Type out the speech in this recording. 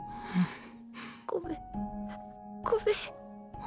ごめごめん。